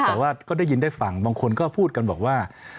แต่ว่าก็ได้ยินได้ฟังบางคนก็พูดกันบอกว่า